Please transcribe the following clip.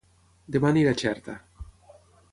Dema aniré a Xerta